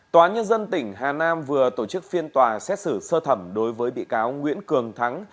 tòa nhân dân tỉnh hà nam vừa tổ chức phiên tòa xét xử sơ thẩm đối với bị cáo nguyễn cường thắng